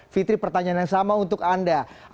fitri pertanyaan yang sama untuk anda